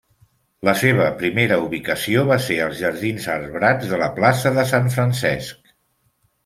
La seva primera ubicació va ser als jardins arbrats de la plaça de Sant Francesc.